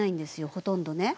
ほとんどね。